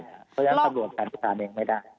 เพราะฉะนั้นตำรวจสันนิษฐานเองไม่ได้